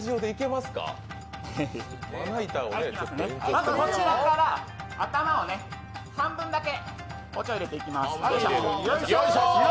まず、こちらから頭を半分だけ包丁を入れていきます。